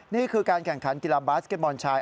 นี่คือการแข่งขันกีฬาบาสเก็ตบอลชาย